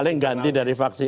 paling ganti dari vaksin a